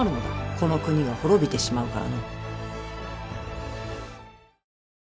この国が滅びてしまうからの。